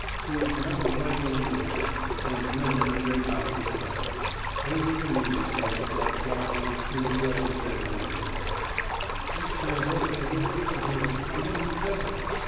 There was not a light in any of them, and none in the great house itself; only the moon saw itself darkly in the dull dead windows. "I shan't ever get away from here; no, never!"